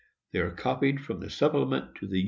They are copied from the Supplement to the U.